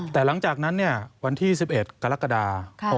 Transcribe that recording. แต่หลังจากนั้นวันที่๑๑กรกฎา๖๖